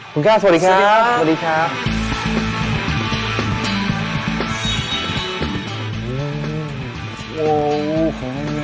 คุณก้าสวัสดีครับสวัสดีครับสวัสดีครับสวัสดีครับ